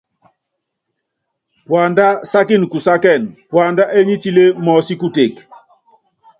Puandá sákíni kusákíni, puandá ényítilé mɔɔ́sí kuteke.